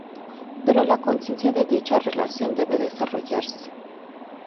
Pero la conciencia de dicha relación debe desarrollarse.